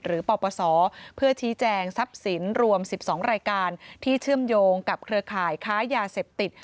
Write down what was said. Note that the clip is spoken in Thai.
ปปศเพื่อชี้แจงทรัพย์สินรวม๑๒รายการที่เชื่อมโยงกับเครือข่ายค้ายาเสพติด